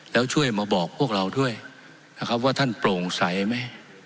แล้วช่วยมาบอกพวกเราด้วยนะครับว่าท่านโปร่งใสไหม